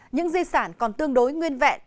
những di sản còn tương đối nguyên vẹn